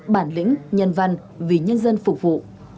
bản lĩnh nhân văn vì nhân dân phục vụ